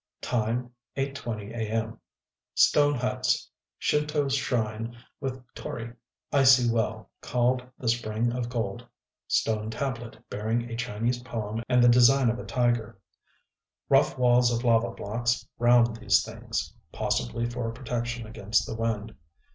Time, 8:20 a. m.... Stone huts; Shint┼Ź shrine with t┼Źrii; icy well, called the Spring of Gold; stone tablet bearing a Chinese poem and the design of a tiger; rough walls of lava blocks round these things, possibly for protection against the wind.